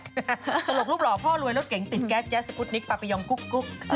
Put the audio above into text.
ตลกรูปหล่อพ่อรวยลดเก่งติดแก๊กแซสกุดนิกปะปียองกุ๊กกุ๊ก